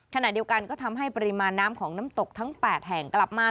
ขณะเดียวกันก็ทำให้ปริมาณน้ำของน้ำตกทั้ง๘แห่งกลับมา